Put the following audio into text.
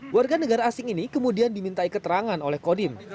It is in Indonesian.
warga negara asing ini kemudian dimintai keterangan oleh kodim